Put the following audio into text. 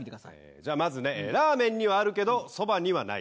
じゃあまずねラーメンにはあるけどそばにはない。